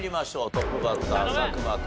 トップバッター佐久間君